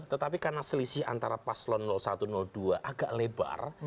tetapi karena selisih antara paslon satu dua agak lebar